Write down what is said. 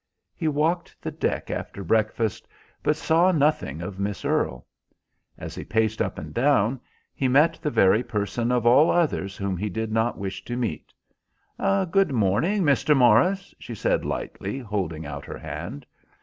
He walked the deck after breakfast, but saw nothing of Miss Earle. As he paced up and down, he met the very person of all others whom he did not wish to meet. "Good morning, Mr. Morris," she said lightly, holding out her hand.